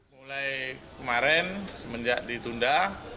mulai kemarin semenjak ditunda